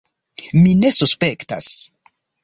Mi ne suspektas.